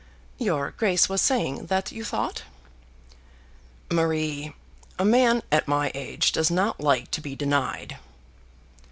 "Your Grace was saying that you thought, " "Marie, a man at my age does not like to be denied."